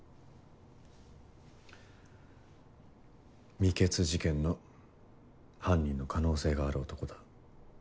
未決事件の犯人の可能性がある男だ。